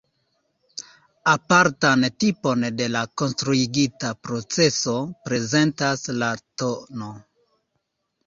Apartan tipon de la konstruigita proceso prezentas la tn.